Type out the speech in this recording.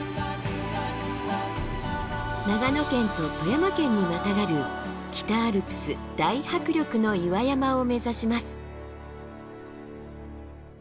長野県と富山県にまたがる北アルプス大迫力の岩山を目指します。